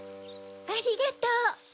ありがとう。